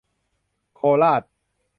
โคราช